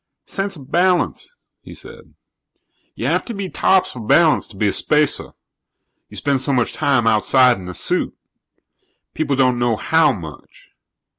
"Sense of balance," he said. "You have to be tops for balance to be a spacer you spend so much time outside in a suit. People don't know how much.